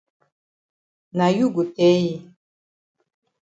Na you go tell yi.